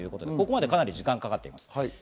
かなり時間がかかっています。